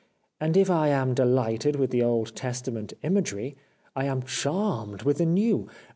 And if I am delighted with the Old Testament imagery I am charmed with the New.